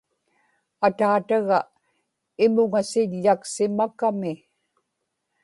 ataataga imuŋasiḷḷaksimakami